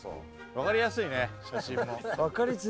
分かりやすいね写真も。